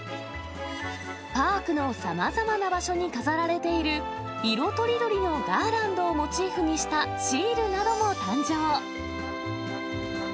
パークのさまざまな場所に飾られている、色とりどりのガーランドをモチーフにしたシールなども誕生。